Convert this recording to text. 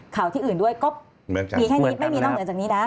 ข่าวที่อื่นด้วยก็มีแค่นี้ไม่มีนอกเหนือจากนี้นะ